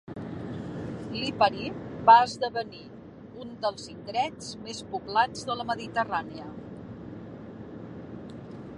Lipari va esdevenir un dels indrets més poblats de la Mediterrània.